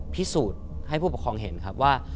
พิสูจน์ให้ผู้ปกครองเห็นครับว่า